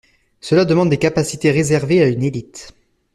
Cela demande des capacités réservées à une élite.